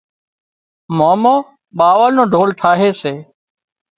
مامو ٻاوۯ نو ڍول ٺاهي سي